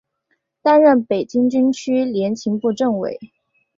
担任北京军区联勤部政委。